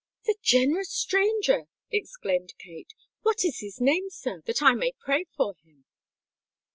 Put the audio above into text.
"The generous stranger!" exclaimed Kate. "What is his name, sir—that I may pray for him?"